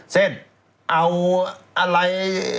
เช่นเอาอะไร